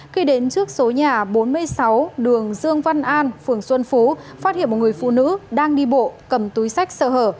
khi đến trước số nhà bốn mươi sáu đường dương văn an phường xuân phú phát hiện một người phụ nữ đang đi bộ cầm túi sách sợ hở